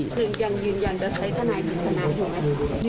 คุณยิ่งยืนยันจะใช้ทนายกฤษณะหรือไม่